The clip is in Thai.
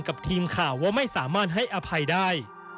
กับทีมข่าวว่าไม่สามารถให้อภัยได้